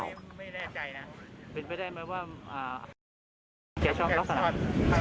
ไม่แน่ใจนะเป็นไปได้ไหมว่าแกชอบลักษณะ